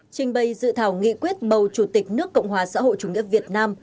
trình bày dự thảo nghị quyết bầu chủ tịch nước cộng hòa xã hội chủ nghĩa việt nam